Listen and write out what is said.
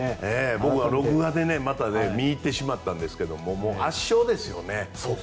僕は、録画でまた見入ってしまったんですが圧勝でしたね。